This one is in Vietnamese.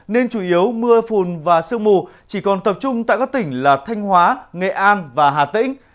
nên chủ yếu mưa phùn và sương mù chỉ còn tập trung tại các tỉnh là thanh hóa nghệ an và hà tĩnh